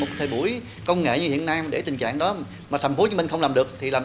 đối với công nghệ như hiện nay để tình trạng đó mà thành phố hồ chí minh không làm được thì làm